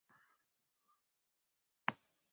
زه کوښښ کوم چي خپل دوستان خوشحاله وساتم.